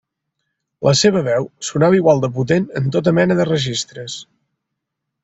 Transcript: La seva veu sonava igual de potent en tota mena de registres.